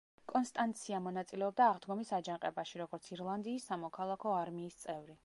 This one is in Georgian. კონსტანცია მონაწილეობდა აღდგომის აჯანყებაში, როგორც ირლანდიის სამოქალაქო არმიის წევრი.